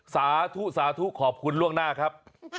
สาทุขอบคุณล่วงหน้าครับ